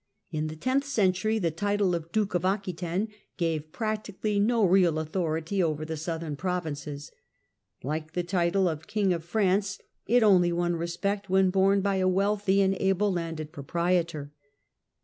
In the tenth century the title of Duke of Aquitaine gave practically no real authority over the southern provinces. Like the title of King of France, it only won respect when borne by a wealthy and able landed proprietor.